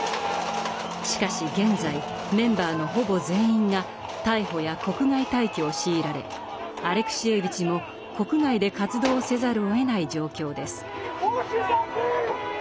しかし現在メンバーのほぼ全員が逮捕や国外退去を強いられアレクシエーヴィチも国外で活動せざるをえない状況です。